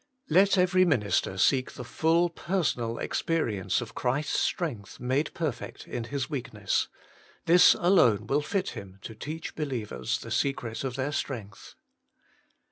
1. Let every minister seek the full personal ex perience of Christ's strength made perfect in His weakness : this alone will fit him to teach be lievers the secret of their strength.